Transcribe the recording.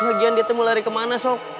lagian dia mau lari kemana sok